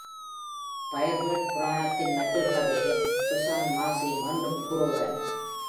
Firebird புராணத்தின் மற்றொரு கதையை Susan மாஸி மீண்டும் கூறுகிறார்.